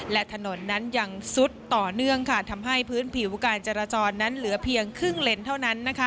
และถนนนั้นยังซุดต่อเนื่องทำให้พื้นผิวการจราจรนั้นเหลือเพียงครึ่งเลนเท่านั้น